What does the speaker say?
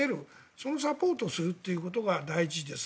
そのサポートをするということが大事です。